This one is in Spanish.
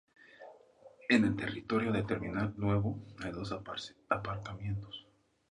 En el territorio del terminal nuevo hay dos aparcamientos.